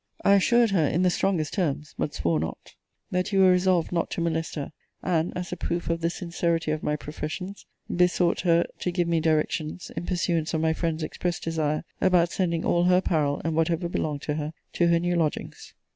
I assured her, in the strongest terms [but swore not,] that you were resolved not to molest her: and, as a proof of the sincerity of my professions, besought her to give me directions, (in pursuance of my friend's express desire,) about sending all her apparel, and whatever belonged to her, to her new lodgings.